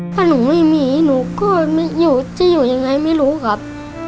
ถ้าหนูไม่มีหนูก็จะอยู่ยังไงไม่รู้ครับ